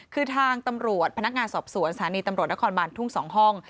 คือทางตำรวจพนักงานสอบสวนสถานีตำรวจนครบานทุ่ง๒ห้อง